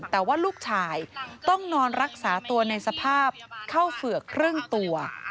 แต่ว่าลูกชายต้องนอนรักษาตัวในสภาพเข้าเฝือกครึ่งตัว